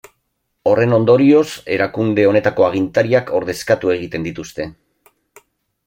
Horren ondorioz erakunde honetako agintariak ordezkatu egiten dituzte.